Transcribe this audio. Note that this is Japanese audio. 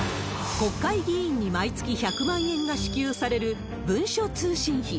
国会議員に毎月１００万円が支給される文書通信費。